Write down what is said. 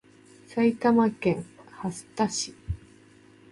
埼玉県蓮田市